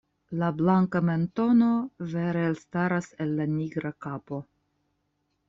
La blanka mentono vere elstaras el la nigra kapo.